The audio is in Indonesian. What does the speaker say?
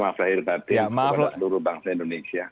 maaflah irbatin kepada seluruh banksa indonesia